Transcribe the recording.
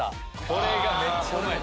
これがめっちゃうまいです。